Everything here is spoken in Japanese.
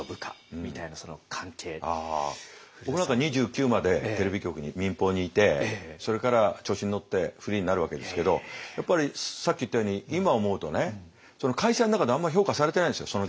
僕なんか２９までテレビ局に民放にいてそれから調子に乗ってフリーになるわけですけどやっぱりさっき言ったように今思うとね会社の中であんまり評価されてないんですよ